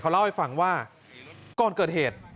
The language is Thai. เล่าให้ฟังว่าก่อนเกิดเหตุ